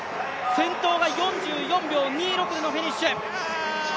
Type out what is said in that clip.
先頭が４４秒２６でのフィニッシュ。